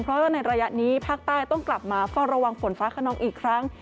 เพราะว่าในระยะนี้ภาคใต้ต้องกลับมาเฝ้าระวังฝนฟ้าขนองอีกครั้ง